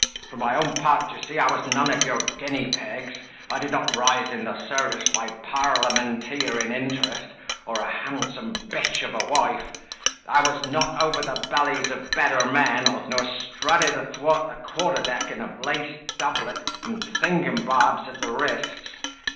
For my own part, d'ye see, I was none of your Guinea pigs: I did not rise in the service by parlamenteering interest, or a handsome b of a wife. I was not over the bellies of better men, nor strutted athwart the quarter deck in a laced doublet, and thingumbobs at the wrists.